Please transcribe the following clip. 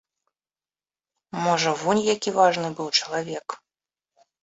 Можа, вунь які важны быў чалавек!